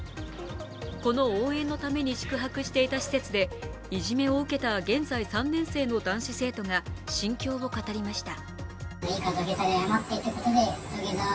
この応援のために宿泊していた施設でいじめを受けた現在３年生の男子生徒が心境を語りました。